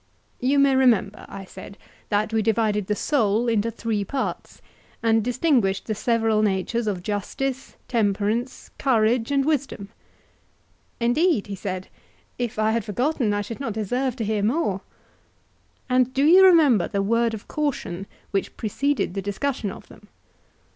You may remember, I said, that we divided the soul into three parts; and distinguished the several natures of justice, temperance, courage, and wisdom? Indeed, he said, if I had forgotten, I should not deserve to hear more. And do you remember the word of caution which preceded the discussion of them?